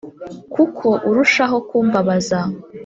ko uko urushaho kumbabaza